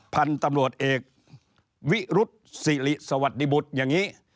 พันธุ์ตำรวจเอกวิรุษศิริสวัสดิบุตรอย่างนี้